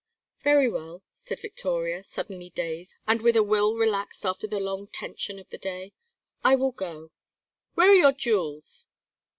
"Very well," said Victoria, suddenly dazed, and with a will relaxed after the long tension of the day. "I will go." "Where are your jewels?"